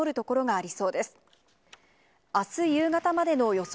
あす夕方までの予想